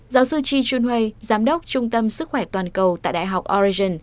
giáo sư chi chunhui giám đốc trung tâm sức khỏe toàn cầu tại đại học oregon